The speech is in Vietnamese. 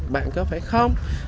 bạn có phải không